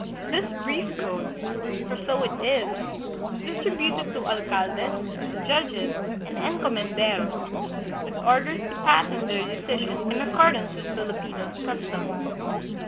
This brief code for so it is was distributed to alcaldes, judges, and encomenderos, with orders to pat tern their decisions in accordance with Filipino custom.